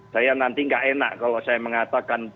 saya nanti nggak enak kalau saya mengatakan